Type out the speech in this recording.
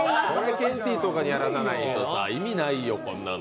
ケンティーとかにやらさないと意味ないよ、こんなの。